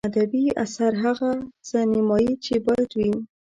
ادبي اثر هغه څه نمایي چې باید وي.